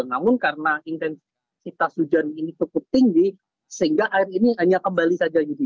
namun karena intensitas hujan ini cukup tinggi sehingga air ini hanya kembali saja jadi